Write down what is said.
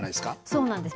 そうなんです。